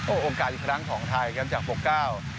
โอ้โหโอกาสอีกครั้งของไทยครับจากปกก้าว